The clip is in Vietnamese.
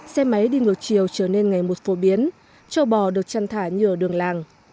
xe máy đi ngược chiều trở nên ngày một phổ biến trâu bò được chăn thả nhờ đường làng